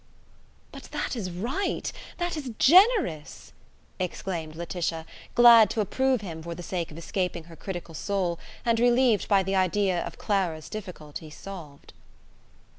"But that is right! that is generous!" exclaimed Laetitia, glad to approve him for the sake of escaping her critical soul, and relieved by the idea of Clara's difficulty solved.